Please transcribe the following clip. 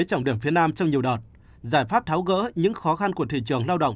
trọng điểm phía nam trong nhiều đợt giải pháp tháo gỡ những khó khăn của thị trường lao động